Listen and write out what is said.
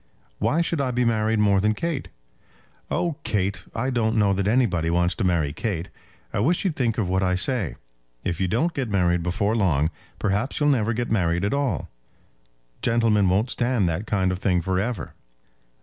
"Why should I be married more than Kate?" "Oh, Kate! I don't know that anybody wants to marry Kate. I wish you'd think of what I say. If you don't get married before long, perhaps you'll never get married at all. Gentlemen won't stand that kind of thing for ever."